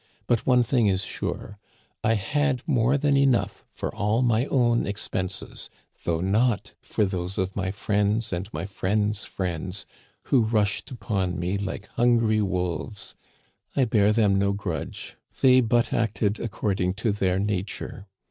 But one thing is sure, I had more than enough for all my own expenses, though not for those of my friends and my friends' friends, who rushed upon me like hungry wolves. I bear them no grudge ; they but acted ac cording to their nature.